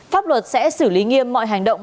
pháp luật sẽ xử lý nghiêm mọi hành động